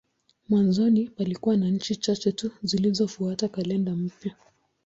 Mwanzoni palikuwa na nchi chache tu zilizofuata kalenda mpya.